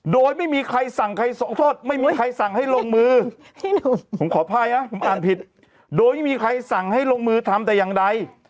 โดยไม่มีใครสั่งให้ลงมือโดยไม่มีใครสั่งให้ลงมือทำแต่อย่างใด